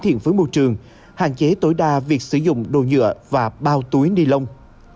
thiện với môi trường hạn chế tối đa việc sử dụng đồ nhựa và bao túi ni lông